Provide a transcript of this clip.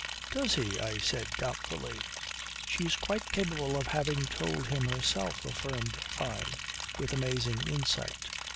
"Does he?" I said doubtfully. "She's quite capable of having told him herself," affirmed Fyne, with amazing insight.